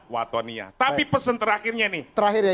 watonia tapi pesan terakhirnya nih